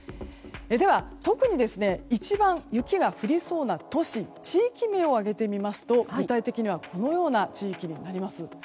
では、特に一番雪が降りそうな都市、地域名を挙げますと具体的にはこのような地域になります。